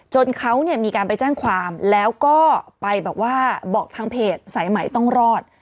เขาเนี่ยมีการไปแจ้งความแล้วก็ไปแบบว่าบอกทางเพจสายใหม่ต้องรอด